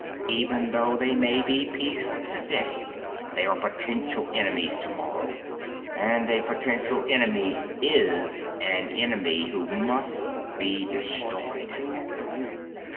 Even though they may be peaceful today, they are potential enemies tomorrow. And a potential enemy is an enemy, who must be destroyed."